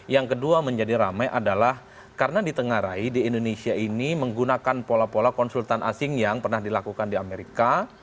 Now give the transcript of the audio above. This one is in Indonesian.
yang kedua menjadi ramai adalah karena ditengarai di indonesia ini menggunakan pola pola konsultan asing yang pernah dilakukan di amerika